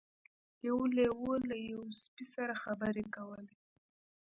یو لیوه له یوه سپي سره خبرې کولې.